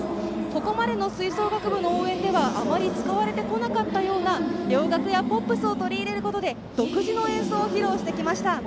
ここまでの吹奏楽部の応援ではあまり使われてこなかった洋楽やポップスを取り入れることで独自の演奏を披露してきました。